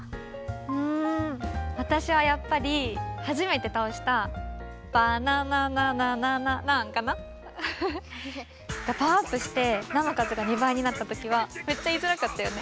うんわたしはやっぱりはじめてたおしたパワーアップしてナのかずが２ばいになったときはめっちゃいいづらかったよね。